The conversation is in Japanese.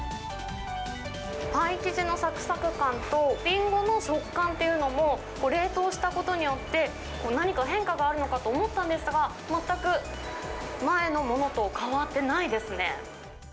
パイ生地のさくさく感と、リンゴの食感っていうのも、冷凍したことによって何か変化があるのかと思ったんですが、全く前のものと変わってないですね。